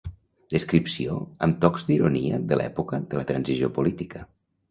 Descripció amb tocs d’ironia de l’època de la transició política.